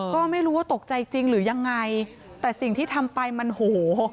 ก็ไม่รู้ว่าตกใจจริงหรือยังไงแต่สิ่งที่ทำไปมันโห